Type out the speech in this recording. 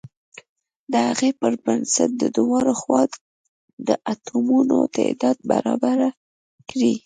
د هغې پر بنسټ د دواړو خواو د اتومونو تعداد برابر کړئ.